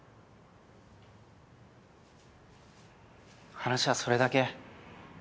話はそれだけ？